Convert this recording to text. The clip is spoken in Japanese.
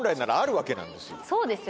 そうですよ